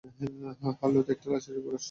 হার্লোতে একটা লাশের রিপোর্ট এসেছে।